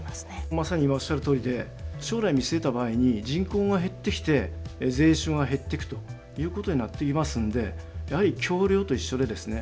まさに今おっしゃるとおりで将来見据えた場合に人口が減ってきて税収が減ってくということになっていきますんでやはり橋りょうと一緒でですね